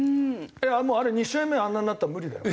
もうあれ２試合目あんなになったら無理だよ。